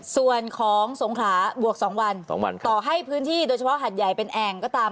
ส่วนของสงขลาบวก๒วัน๒วันต่อให้พื้นที่โดยเฉพาะหัดใหญ่เป็นแอ่งก็ตาม